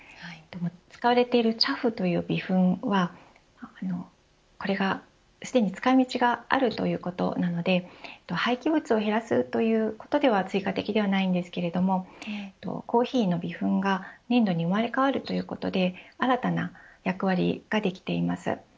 使われているチャフという微粉はこれがすでに使い道があるということなので廃棄物を減らすということでは追加的ではないんですけれどもコーヒーの微粉が粘土に生まれ変わるということで新たな役割ができています。